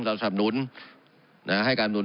เราสำนุนให้การสำนุน